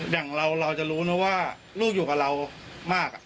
อย่างเราจะรู้นะว่าลูกอยู่กับเรามาก